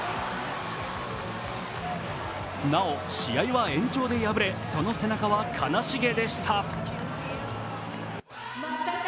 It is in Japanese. なお、試合は延長で敗れ、その背中は悲しげでした。